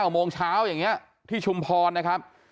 โมงเช้าอย่างนี้ที่ชุมพรนะครับ